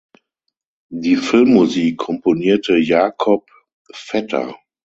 Die Filmmusik komponierte Jakob Vetter.